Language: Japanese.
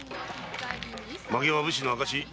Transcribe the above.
髷は武士の証し。